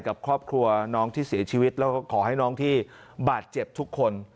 กับครอบครัวน้องที่เสียชีวิตแล้วก็ขอให้น้องที่บาดเจ็บทุกคน